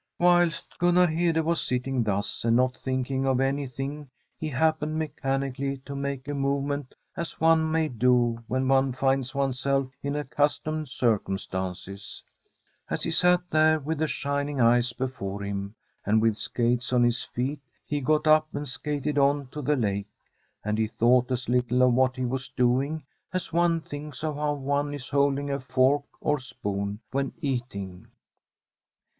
Whilst Gunnar Hede was sitting thus and not thinking of anything, he happened mechanically to make a movement as one may do when one t\\\i\s i>ne*s self in accustomed circumstances. As he mX there with the shining ice before him and { Tbi STORY $f a COUNTRY HOUSE with skates on his feet, he got up and skated on to the lake, and he thought as little of what he was doing as one thinks of how one is holding fork or spoon when eatin^^.